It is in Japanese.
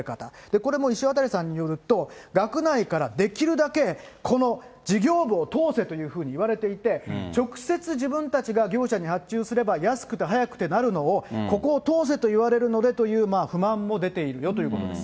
これも石渡さんによると、学内からできるだけこの事業部を通せというふうに言われていて、直接自分たちが業者に発注すれば、安くて速くてなるのを、ここを通せと言われるのでという不満も出ているよということです。